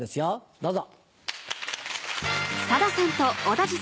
どうぞ。